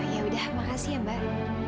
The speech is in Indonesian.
yaudah makasih ya mbak